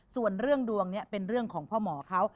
ส่วนเรื่องดวงนี้เป็นเรื่องของพ่อหมอเขา